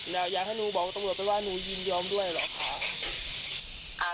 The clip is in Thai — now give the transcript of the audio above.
แล้วอยากให้หนูบอกตำรวจไปว่าหนูยินยอมด้วยเหรอค่ะ